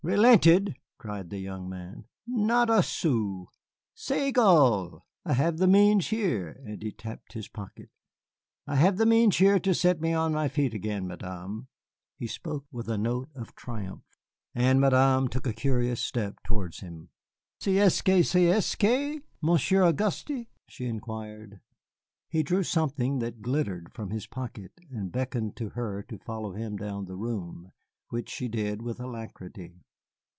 "Relented!" cried the young man, "not a sou. C'est égal! I have the means here," and he tapped his pocket, "I have the means here to set me on my feet again, Madame." He spoke with a note of triumph, and Madame took a curious step towards him. "Qu'est ce que c'est, Monsieur Auguste?" she inquired. He drew something that glittered from his pocket and beckoned to her to follow him down the room, which she did with alacrity.